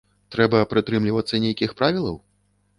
Трэба прытрымлівацца нейкіх правілаў?